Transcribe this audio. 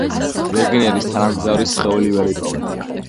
ვეგენერის თანამგზავრის სხეული ვერ იპოვეს.